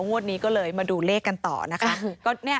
งวดนี้ก็เลยมาดูเลขกันต่อนะคะ